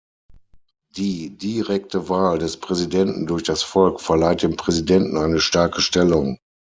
Die direkte Wahl des Präsidenten durch das Volk verleiht dem Präsidenten eine starke Stellung.